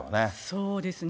そうですね。